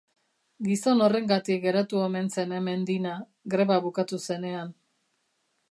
Gizon horrengatik geratu omen zen hemen Dinah, greba bukatu zenean.